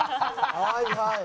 「はいはい」